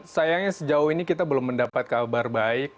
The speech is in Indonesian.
sayangnya sejauh ini kita belum mendapat kabar baik